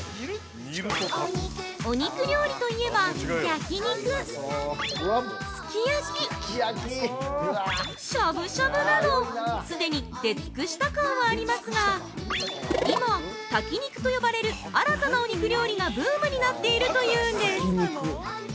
お肉料理といえば、焼肉、すき焼き、しゃぶしゃぶなど既に出尽くした感はありますが、今「炊き肉」と呼ばれる新たなお肉料理がブームになっているというんです。